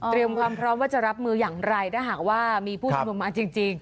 ความพร้อมว่าจะรับมืออย่างไรถ้าหากว่ามีผู้ชุมนุมมาจริง